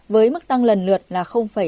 với mức tăng lần lượt là hai mươi sáu